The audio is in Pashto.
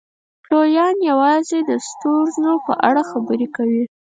پلویان یې یوازې د ستونزو په اړه خبرې کوي.